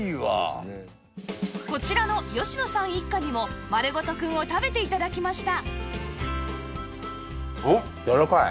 こちらの吉野さん一家にもまるごとくんを食べて頂きました